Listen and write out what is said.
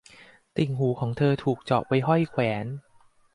ติ่งหูของเธอถูกเจาะไว้ห้อยแหวน